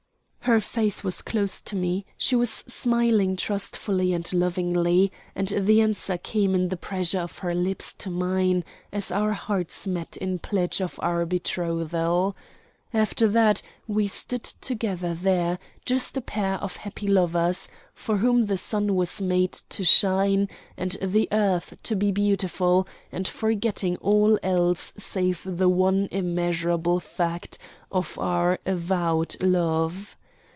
Her face was close to me, she was smiling trustfully and lovingly, and the answer came in the pressure of her lips to mine as our hearts met in pledge of our betrothal. After that we stood together there, just a pair of happy lovers, for whom the sun was made to shine and the earth to be beautiful, and forgetting all else save the one immeasurable fact of our avowed love.